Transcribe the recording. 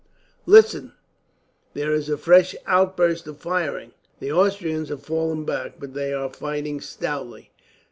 "Listen! There is a fresh outburst of firing. The Austrians have fallen back, but they are fighting stoutly."